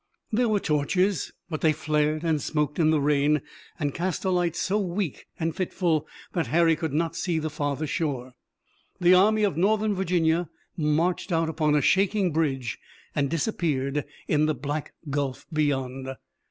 There were torches, but they flared and smoked in the rain and cast a light so weak and fitful that Harry could not see the farther shore. The Army of Northern Virginia marched out upon a shaking bridge and disappeared in the black gulf beyond.